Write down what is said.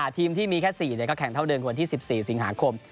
ทีมที่มีแค่๔ก็แข่งเท่าเดิมวันที่๑๔สิงหาคม